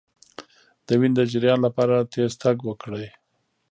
د وینې د جریان لپاره تېز تګ وکړئ